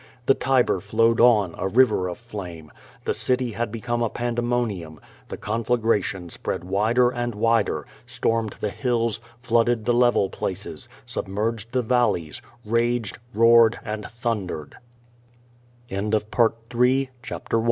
The Tiber flowed on, a river of flame. The city had become a pandemonium. The conflagration spread wider and wider; stormed the hills, flooded the level places, submerged the valleys, raged^ roared and thunde